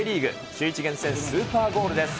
シューイチ厳選スーパーゴールです。